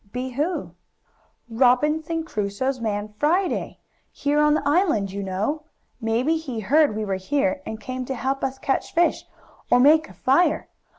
"Be who?" "Robinson Crusoe's man Friday. Here on the island, you know. Maybe he heard we were here, and came to help us catch fish, or make a fire.